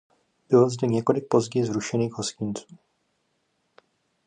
Bylo zde několik později zrušených hostinců.